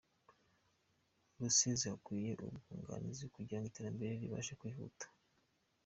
Rusizi Hakwiye ubwunganizi kugira ngo iterambere ribashe kwihuta